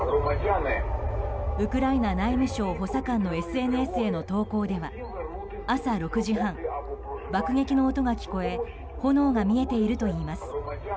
ウクライナ内務省補佐官のＳＮＳへの投稿では朝６時半、爆撃の音が聞こえ炎が見えているといいます。